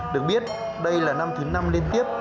được biết đây là năm thứ năm liên tiếp